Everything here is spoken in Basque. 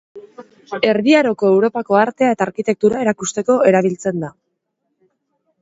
Erdi Aroko Europako artea eta arkitektura erakusteko erabiltzen da.